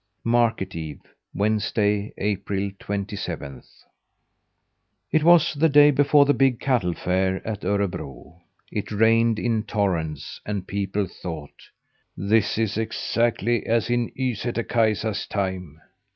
MARKET EVE Wednesday, April twenty seventh. It was the day before the big Cattle Fair at Örebro; it rained in torrents and people thought: "This is exactly as in Ysätter Kaisa's time!